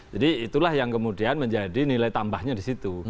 jadi itulah yang kemudian menjadi nilai tambahnya di situ